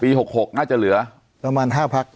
๖๖น่าจะเหลือประมาณ๕พัก